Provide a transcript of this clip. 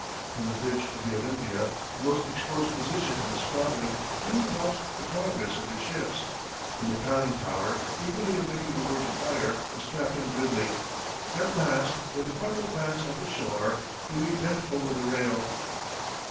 From the bridge of the Olympia, the most exposed position in the squadron, Dewey watched the progress of his ships. In the conning tower, eagerly awaiting the word to fire, was Captain Gridley. At last, with a final glance at the shore, Dewey bent over the rail.